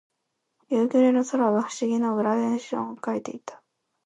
夕暮れの空が不思議なグラデーションを描いていた。